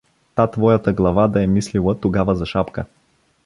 … Та твоята глава де е мислила тогава за шапка!